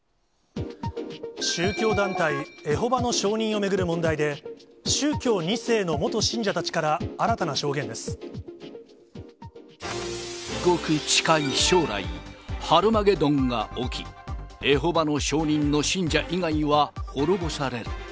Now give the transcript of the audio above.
宗教団体エホバの証人を巡る問題で、宗教２世の元信者たちから新ごく近い将来、ハルマゲドンが起き、エホバの証人の信者以外は、滅ぼされる。